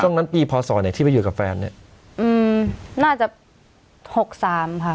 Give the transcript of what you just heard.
ช่องนั้นปีพอส่อไหนที่ไปอยู่กับแฟนเนี้ยอืมน่าจะหกสามค่ะ